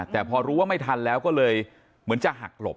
แต่พอรู้ว่าไม่ทันแล้วก็เลยเหมือนจะหักหลบ